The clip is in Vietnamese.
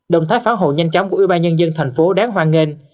động thái phán hồ nhanh chóng của ủy ban nhân dân tp đáng hoan nghênh